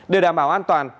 để đảm bảo an toàn